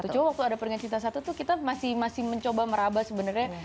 cuma waktu ada peringan cinta satu tuh kita masih mencoba meraba sebenarnya